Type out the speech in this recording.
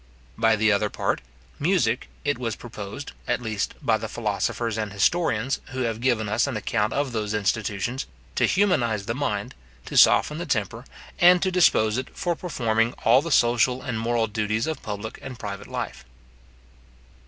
By the other part, music, it was proposed, at least by the philosophers and historians, who have given us an account of those institutions, to humanize the mind, to soften the temper, and to dispose it for performing all the social and moral duties of public and private life.